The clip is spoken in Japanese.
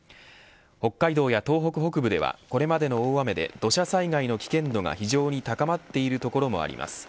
北海道や東北北部ではこれまでの大雨で土砂災害の危険度が非常に高まっている所もあります。